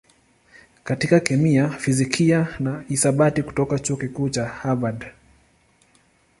katika kemia, fizikia na hisabati kutoka Chuo Kikuu cha Harvard.